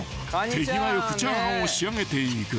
［手際よくチャーハンを仕上げていく］